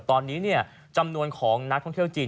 ตอนนี้จำนวนของนักท่องเที่ยวจีน